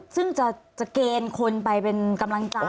ซึ่งจะเกณฑ์คนไปเป็นกำลังใจ